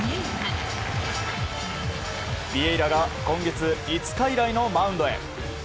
ビエイラが今月５日以来のマウンドへ。